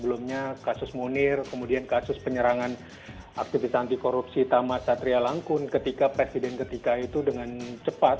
sebelumnya kasus munir kemudian kasus penyerangan aktivis anti korupsi tamas satria langkun ketika presiden ketika itu dengan cepat